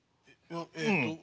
えっと